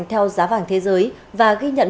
theo giá vàng thế giới và ghi nhận